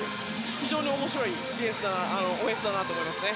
非常に面白いオフェンスだなと思いますね。